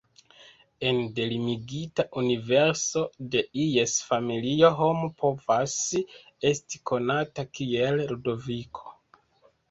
Ene de limigita universo de ies familio homo povas esti konata kiel "Ludoviko".